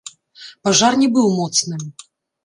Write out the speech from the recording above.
Пажар не быў моцным.